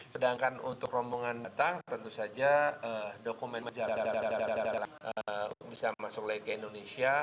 sedangkan untuk rombongan yang datang tentu saja dokumen jalan jalan jalan jalan bisa masuk ke indonesia